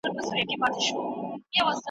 ایا په لمر کي د مېوو وچول د هغوی ګټه ساتي؟